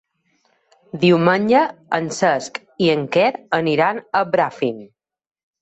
Diumenge en Cesc i en Quer aniran a Bràfim.